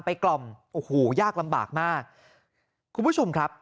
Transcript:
กล่อมโอ้โหยากลำบากมากคุณผู้ชมครับ